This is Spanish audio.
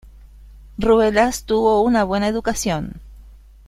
Ruelas tuvo una buena educación.